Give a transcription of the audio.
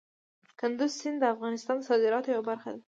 کندز سیند د افغانستان د صادراتو یوه برخه ده.